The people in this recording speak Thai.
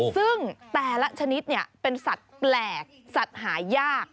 ซึ่งแต่ละชนิดเป็นสัตว์แปลกสัตว์หายาก